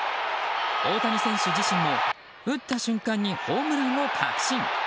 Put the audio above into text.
大谷選手自身も打った瞬間にホームランを確信。